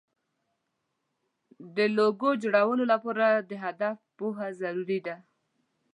د لوګو جوړولو لپاره د هدف پوهه ضروري ده.